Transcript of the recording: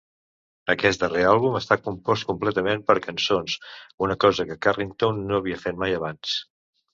Aquest darrer àlbum està compost completament per cançons, una cosa que Carrington no havia fet mai abans.